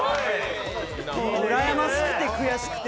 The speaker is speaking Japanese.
うらやましくて、悔しくて。